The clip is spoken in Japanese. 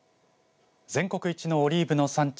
全国一のオリーブの産地